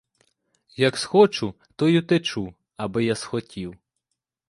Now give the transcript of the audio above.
Як схочу, то й утечу, аби я схотів.